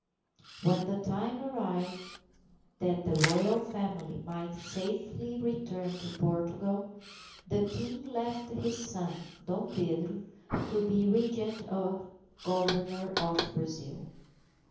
When the time arrived, that the Royal Family might safely return to Portugal, the King left his son, Dom Pedro, to be Regent or Governor of Brazil.